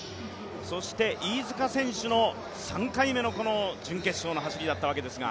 そして、飯塚選手の３回目の準決勝の走りだったわけですが。